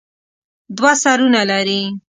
دوه سرونه لري.